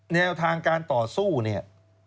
แนวทางการต่อสู้เนี่ย